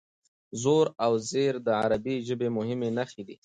زور او زېر د عربي ژبې مهمې نښې دي.